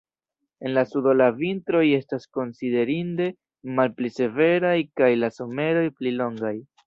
En la sudo la vintroj estas konsiderinde malpli severaj kaj la someroj pli longaj.